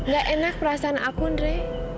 gak enak perasaan aku andre